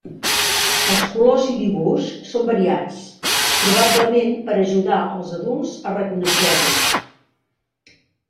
Els colors i dibuix són variats, probablement per ajudar els adults a reconèixer-los.